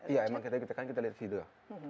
ya emang kita kan lihat video